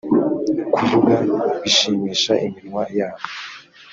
kuvuga bishimisha iminwa yabo .